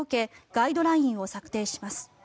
ガイドラインを策定します。